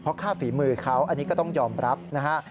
ค่าฝีมือเขาอันนี้ก็ต้องยอมรับนะฮะ